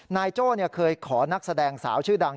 โจ้เคยขอนักแสดงสาวชื่อดัง